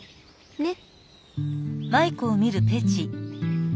ねっ。